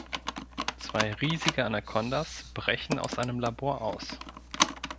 Zwei riesige Anakondas brechen aus einem Labor aus.